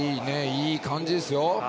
いい感じですよ。